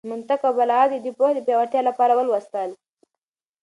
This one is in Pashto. منطق او بلاغت يې د پوهې د پياوړتيا لپاره ولوستل.